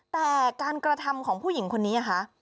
แต่การกระทำของผู้หญิงคนนี้ค่ะ